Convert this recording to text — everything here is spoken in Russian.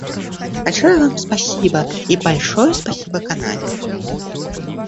Большое Вам спасибо и большое спасибо Канаде.